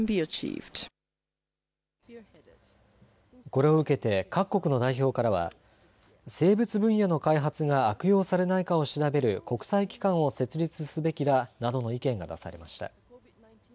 これを受けて各国の代表からは生物分野の開発が悪用されないかを調べる国際機関を設立すべきだなどの意見が出されました。